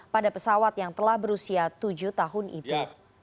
pada pesawat yang telah berusia tujuh tahun itu